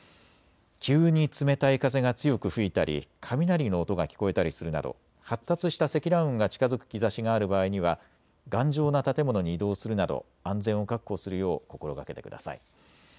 急に冷たい風が強く吹いたり雷の音が聞こえたりするなど発達した積乱雲が近づく兆しがある場合には頑丈な建物に移動するなど安全を確保するよう心がけてください。